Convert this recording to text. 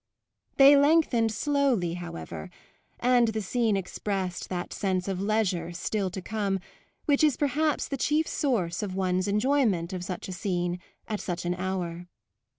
They lengthened slowly, however, and the scene expressed that sense of leisure still to come which is perhaps the chief source of one's enjoyment of such a scene at such an hour.